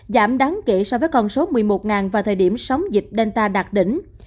giảm đáng kể so với con số một mươi một vào thời điểm sóng dịch delta đạt đỉnh